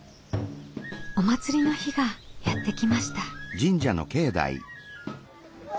お祭りの日がやって来ました。